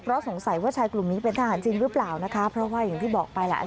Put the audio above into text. เพราะสงสัยว่าชายกลุ่มนี้เป็นทหารจริงหรือเปล่านะคะเพราะว่าอย่างที่บอกไปแหละ